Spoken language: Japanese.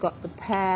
はい。